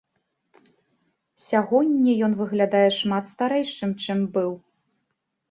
Сягоння ён выглядае шмат старэйшым, чым быў.